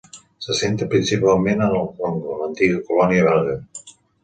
Se centra principalment en el Congo, l'antiga colònia belga.